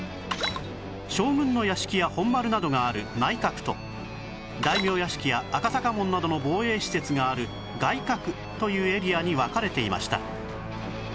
将軍の屋敷や本丸などがある内郭と大名屋敷や赤坂門などの防衛施設がある外郭というエリアに分かれていました